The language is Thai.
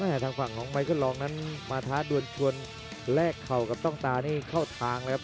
ทางฝั่งของไมเคิลลองนั้นมาท้าดวนชวนแลกเข่ากับต้องตานี่เข้าทางเลยครับ